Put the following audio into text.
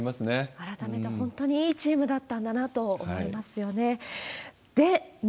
改めて本当にいいチームだったんだなと思いますよね。